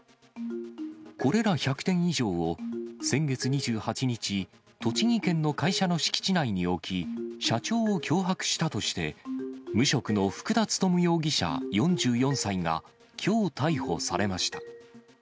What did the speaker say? これら１００点以上を、先月２８日、栃木県の会社の敷地内に置き、社長を脅迫したとして、無職の福田勤容疑者４４歳がきょう逮捕されました。